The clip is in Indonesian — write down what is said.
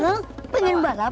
iya kong pengen balapan